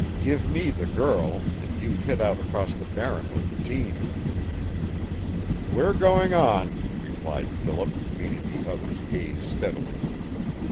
Give me the girl an' you hit out across the Barren with the team." "We're going on," replied Philip, meeting the other's gaze steadily.